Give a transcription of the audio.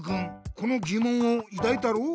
このぎもんをいだいたろ？